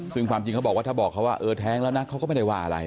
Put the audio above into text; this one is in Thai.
ซึ่งความจริงเขาบอกว่าถ้าบอกเขาว่าเออแท้งแล้วนะเขาก็ไม่ได้ว่าอะไร